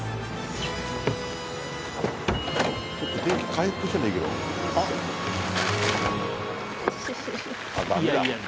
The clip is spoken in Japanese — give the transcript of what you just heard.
ちょっと天気回復してるといいけど。